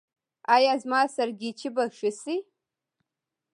ایا زما سرگیچي به ښه شي؟